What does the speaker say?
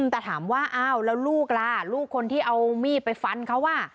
แต่ถามว่าอ้าวแล้วลูกล่ะลูกคนที่เอามีดไปฟันเขา